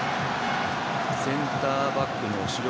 センターバックの後ろ。